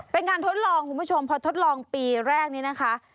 เป็นการทดลองคุณผู้ชมพอทดลองปีแรกนี้นะคะ